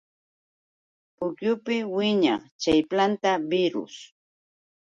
Pukyupa wiñaq planta chay birrus.